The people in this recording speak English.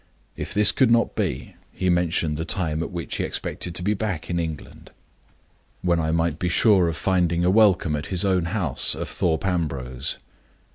If this could not be, he mentioned the time at which he expected to be back in England, when I might be sure of finding a welcome at his own house of Thorpe Ambrose.